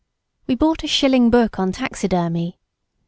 We bought a shilling book on taxidermy.